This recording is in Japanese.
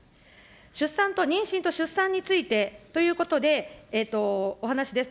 出産と、妊娠と出産についてということで、お話しです。